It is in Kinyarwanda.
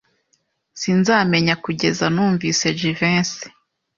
Sinzamenya kugeza numvise Jivency.